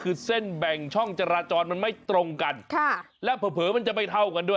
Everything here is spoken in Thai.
คือเส้นแบ่งช่องจราจรมันไม่ตรงกันค่ะแล้วเผลอมันจะไม่เท่ากันด้วย